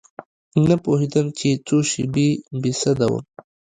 نه پوهېدم چې څو شپې بې سده وم.